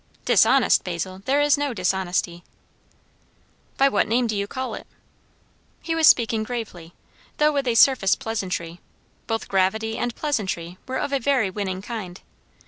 "Dishonest, Basil! there is no dishonesty." "By what name do you call it?" He was speaking gravely, though with a surface pleasantry; both gravity and pleasantry were of a very winning kind.